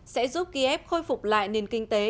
sẽ giúp ký ép khôi phục lại nền kinh tế